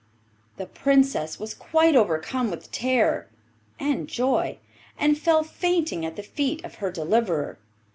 The Princess was quite overcome with terror and joy, and fell fainting at the feet of her deliverer.